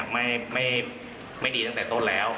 ไม่ดีตั้งแต่ต้นแล้ว